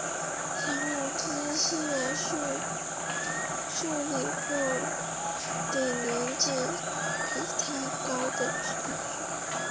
杨武之是数理部里年级比他高的同学。